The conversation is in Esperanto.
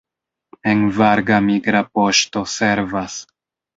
En Varga migra poŝto servas.